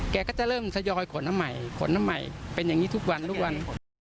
แกก็จะเริ่มทยอยขนน้ำใหม่ขนน้ำใหม่เป็นอย่างนี้ทุกวันทุกวัน